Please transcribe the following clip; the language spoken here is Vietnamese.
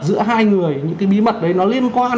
giữa hai người những cái bí mật đấy nó liên quan